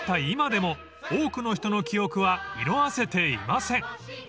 今でも多くの人の記憶は色あせていません］